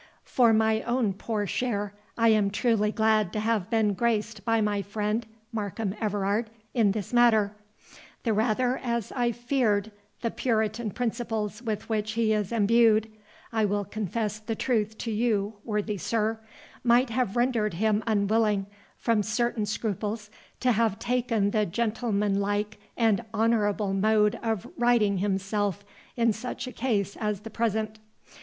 For my own poor share, I am truly glad to have been graced by my friend, Markham Everard, in this matter—the rather as I feared the puritan principles with which he is imbued, (I will confess the truth to you, worthy sir,) might have rendered him unwilling, from certain scruples, to have taken the gentlemanlike and honourable mode of righting himself in such a case as the present.